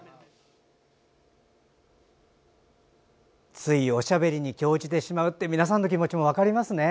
ついおしゃべりに興じてしまうという皆さんの気持ちも分かりますね。